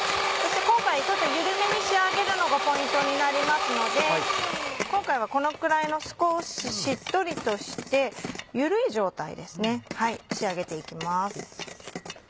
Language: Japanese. そして今回ちょっと緩めに仕上げるのがポイントになりますので今回はこのくらいの少ししっとりとして緩い状態ですね仕上げて行きます。